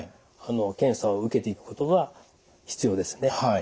検査を受けていくことが必要ですね。